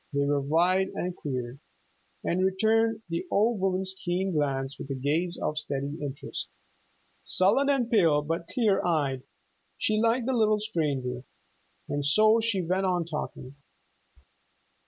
They were wide and clear, and returned the old woman's keen glance with a gaze of steady interest. Sullen and pale, but clear eyed she liked the little stranger. And so she went on talking.